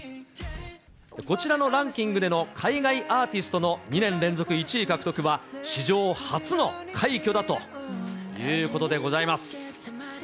こちらのランキングでの海外アーティストの２年連続１位獲得は、史上初の快挙だということでございます。